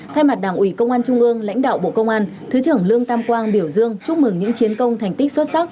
thay mặt đảng ủy công an trung ương lãnh đạo bộ công an thứ trưởng lương tam quang biểu dương chúc mừng những chiến công thành tích xuất sắc